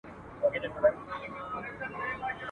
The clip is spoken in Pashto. لا په لاس یې جوړوله اسبابونه !.